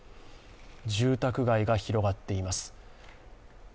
住宅街が広がっています。